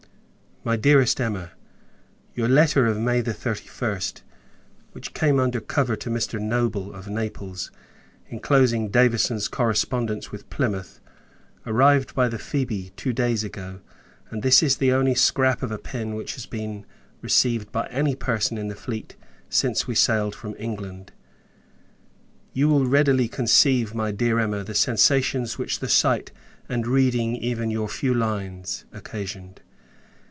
] MY DEAREST EMMA, Your letter of May 31, which came under cover to Mr. Noble, of Naples, inclosing Davison's correspondence with Plymouth, arrived by the Phoebe two days ago: and this is the only scrap of a pen which has been received by any person in the fleet since we sailed from England. You will readily conceive, my dear Emma, the sensations which the sight and reading even your few lines [occasioned.